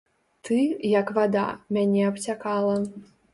Ты, як вада, мяне абцякала.